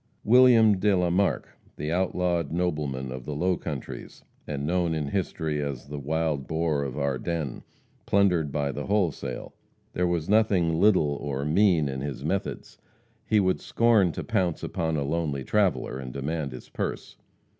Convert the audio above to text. William de la Marck, the outlawed nobleman of the low countries, and known in history as "The Wild Boar of Ardennes," plundered by the wholesale. There was nothing little or mean in his methods. He would scorn to pounce upon a lonely traveller and demand his purse.